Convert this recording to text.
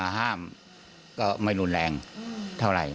ห้ามก็ไม่รุนแรงเท่าไหร่